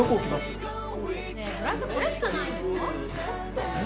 ねえグラスこれしかないの？